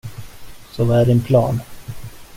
Så vad är din plan?